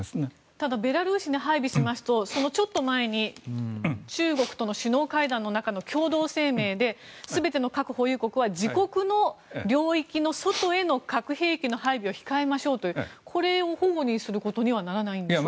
ただ、ベラルーシに配備しますとそのちょっと前に中国との首脳会談の中の共同声明で全ての核保有国は自国の領域の外への核兵器の配備を控えましょうというこれを反故にすることにはならないんでしょうか？